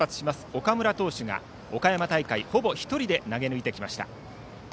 岡村投手が岡山大会ほぼ１人で投げ抜いてきました。